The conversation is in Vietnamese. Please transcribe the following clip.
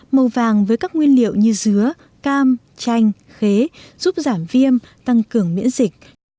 màu vàng với các nguyên liệu như dứa cam chanh khế giúp giảm viêm tăng cường miễn dịch